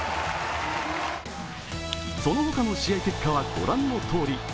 その他の試合結果は御覧のとおり。